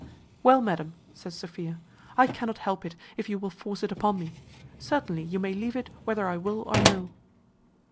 "Well, madam," says Sophia, "I cannot help it, if you will force it upon me. Certainly you may leave it whether I will or no."